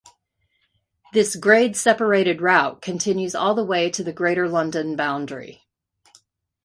This grade-separated route continues all the way to the Greater London Boundary.